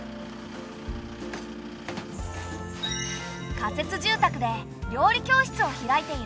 仮設住宅で料理教室を開いている。